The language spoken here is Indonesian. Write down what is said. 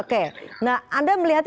oke nah anda melihatnya